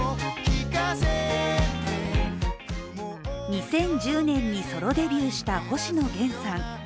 ２０１０年にソロデビューした星野源さん。